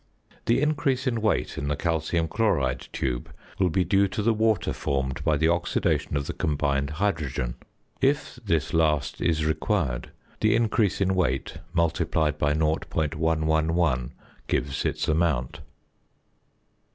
The increase in weight in the calcium chloride tube will be due to the water formed by the oxidation of the combined hydrogen. If this last is required the increase in weight multiplied by 0.111 gives its amount.